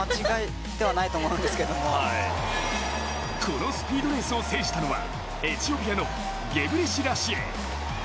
このスピードレースを制したのはエチオピアのゲブレシラシエ。